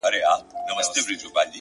دا څه معلومه ده ملگرو که سبا مړ سوم